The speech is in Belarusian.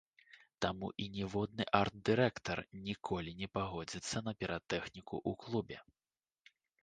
Таму і ніводны арт-дырэктар ніколі не пагодзіцца на піратэхніку ў клубе.